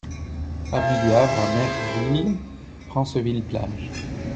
Avenue du Havre à Merville-Franceville-Plage